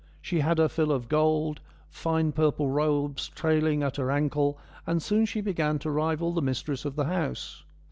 She had her fill of gold : fine purple robes trailing at her ankles, and soon she began to rival the mistress of the house.